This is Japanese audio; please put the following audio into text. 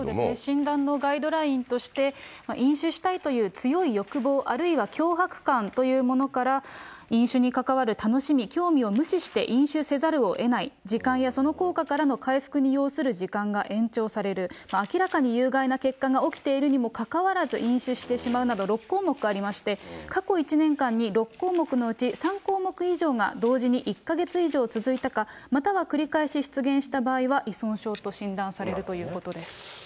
診断のガイドラインとして、飲酒したいという強い欲望、あるいは脅迫感というものから、飲酒に関わる楽しみ、興味を無視して、飲酒せざるをえない、時間やその効果からの回復に要する時間が延長される、明らかに有害な結果が起きているにもかかわらず、飲酒してしまうなど６項目ありまして、過去１年間に６項目のうち３項目以上が同時に１か月以上続いたか、または繰り返し出現した場合は、依存症と診断されるということです。